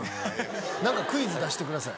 何かクイズ出してください。